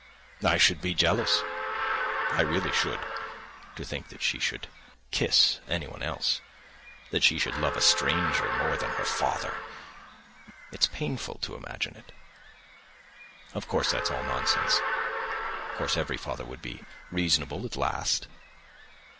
"I should be jealous, I really should. To think that she should kiss anyone else! That she should love a stranger more than her father! It's painful to imagine it. Of course, that's all nonsense, of course every father would be reasonable at last.